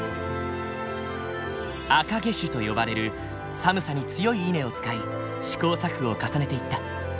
赤毛種と呼ばれる寒さに強い稲を使い試行錯誤を重ねていった。